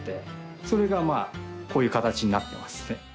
それがまあこういう形になってます。